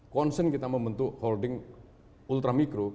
concern kita membentuk holding ultra mikro